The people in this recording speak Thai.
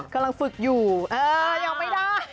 กำลังฝึกอยู่เออยังไม่ได้